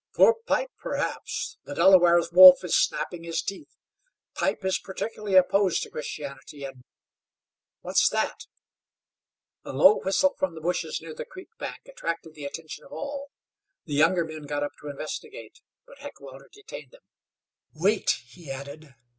"For Pipe, perhaps. The Delaware Wolf is snapping his teeth. Pipe is particularly opposed to Christianity, and what's that?" A low whistle from the bushes near the creek bank attracted the attention of all. The younger men got up to investigate, but Heckewelder detained them. "Wait," he added.